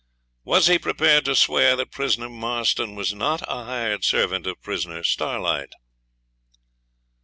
'Was he prepared to swear that prisoner Marston was not a hired servant of prisoner Starlight?'